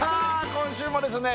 今週もですね